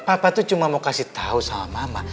papa itu cuma mau kasih tahu sama mama